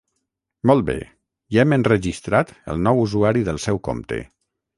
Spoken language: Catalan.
Molt bé, ja hem enregistrat el nou usuari del seu compte.